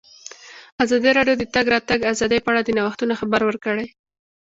ازادي راډیو د د تګ راتګ ازادي په اړه د نوښتونو خبر ورکړی.